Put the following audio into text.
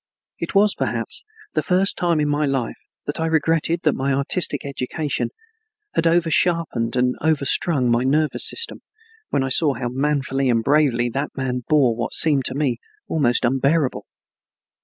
It was, perhaps, the first time in my life that I regretted that my artistic education had over sharpened and overstrung my nervous system, when I saw how manfully and bravely that man bore what seemed to me almost unbearable.